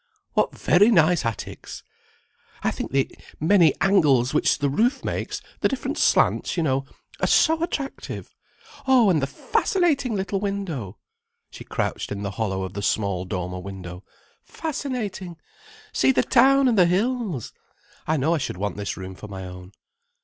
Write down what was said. "What very nice attics! I think the many angles which the roof makes, the different slants, you know, are so attractive. Oh, and the fascinating little window!" She crouched in the hollow of the small dormer window. "Fascinating! See the town and the hills! I know I should want this room for my own."